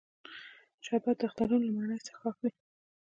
شربت د اخترونو لومړنی څښاک وي